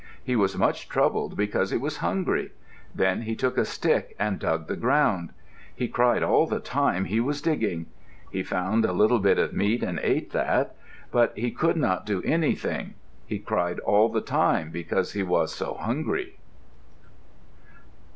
He was much troubled because he was hungry. Then he took a stick and dug the ground. He cried all the time he was digging. He found a little bit of meat and ate that. But he could not do anything. He cried all the time because he was so hungry.